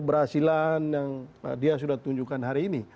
keberhasilan yang dia sudah tunjukkan hari ini